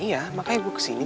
iya makanya gue kesini